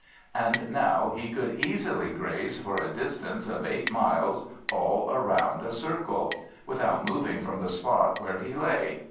And now he could easily graze for a distance of eight miles all round in a circle, without moving from the spot where he lay.